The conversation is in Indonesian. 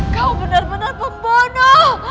kau benar benar pembunuh